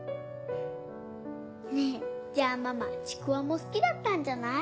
ねぇじゃあママちくわも好きだったんじゃない？